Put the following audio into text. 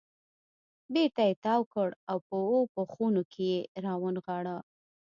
بېرته یې تاو کړ او په اوو پوښونو کې یې را ونغاړه.